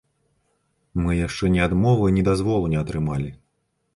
Мы яшчэ ні адмовы, ні дазволу не атрымалі.